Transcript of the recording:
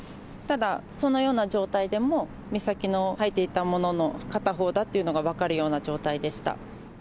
ただ、そのような状態でも、美咲の履いていたものの片方だっていうのが分かるような状態でした。